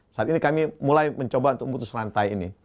saat ini kami mulai mencoba untuk memutus rantai ini